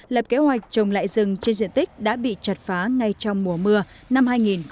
lập kế hoạch trồng lại rừng trên diện tích đã bị chặt phá ngay trong mùa mưa năm hai nghìn một mươi chín